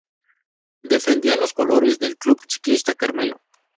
Defendía los colores del Club Ciclista Carmelo.